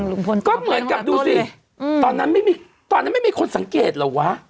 ลุงพลก็เหมือนกับดูสิตอนนั้นไม่มีตอนนั้นไม่มีคนสังเกตเหรอวะ